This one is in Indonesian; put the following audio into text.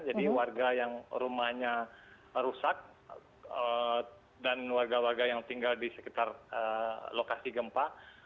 jadi warga yang rumahnya rusak dan warga warga yang tinggal di sekitar lokasi gempa